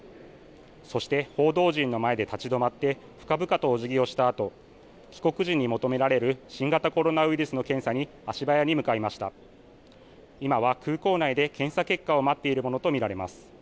そして、報道陣の前で立ち止まって、深々とおじぎをしたあと、帰国時に求められる新型コロナウイルスの検査に足早に向かいました。